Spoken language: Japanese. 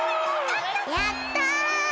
やった！